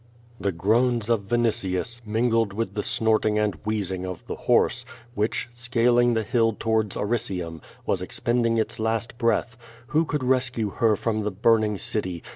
The groans of Vinitius, mingled with the snorting and wheezing of the horse, which, scaling the hill towards Ari cium, was expending its last breath. Who could rescue her from the burning city?